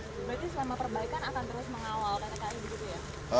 berarti selama perbaikan akan terus mengawal pt kai begitu ya